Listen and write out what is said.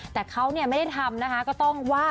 แต่เขาไม่ได้ทำนะคะก็ต้องว่า